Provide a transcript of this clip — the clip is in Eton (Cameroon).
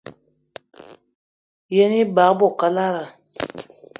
Yen ebag i bo kalada